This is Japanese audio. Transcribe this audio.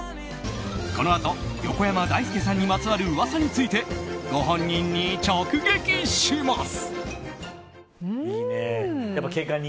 このあと横山だいすけさんにまつわるうわさについてご本人に直撃します！